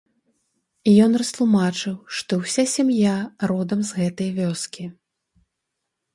Ён растлумачыў, што ўся сям'я родам з гэтай вёскі.